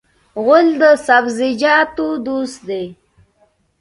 غول د سبزیجاتو دوست دی.